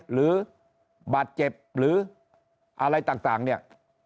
หรือบาดเจ็บหรืออะไรต่างเนี่ย